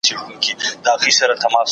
که وخت وي، سبزیجات پاختم!.